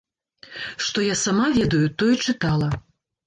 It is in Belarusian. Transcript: Што я сама ведаю, тое чытала.